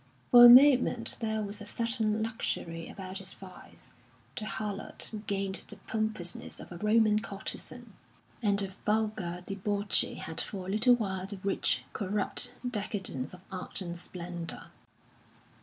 For a moment there was a certain luxury about its vice; the harlot gained the pompousness of a Roman courtesan, and the vulgar debauchee had for a little while the rich, corrupt decadence of art and splendour.